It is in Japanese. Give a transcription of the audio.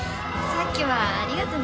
さっきはありがとな。